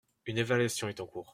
Une évaluation est en cours.